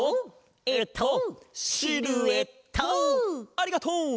ありがとう！